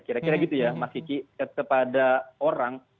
kira kira gitu ya mas kiki kepada orang